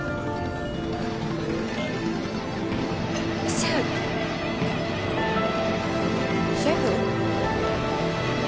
シェフシェフ？